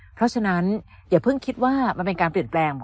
เพราะฉะนั้นอย่าเพิ่งคิดว่ามันเป็นการเปลี่ยนแปลง